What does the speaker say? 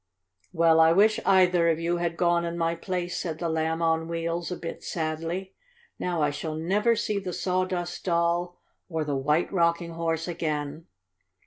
"Well, I wish either of you had gone in my place," said the Lamb on Wheels, a bit sadly. "Now I shall never see the Sawdust Doll or the White Rocking Horse again."